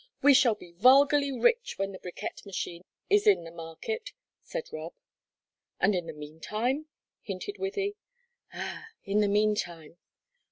We shall be vulgarly rich when the bricquette machine is in the market," said Rob. "And in the meantime?" hinted Wythie. "Ah, in the meantime!"